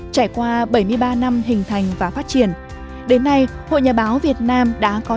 trải qua bảy mươi ba năm hình thành và phát triển đến nay hội nhà báo việt nam đã có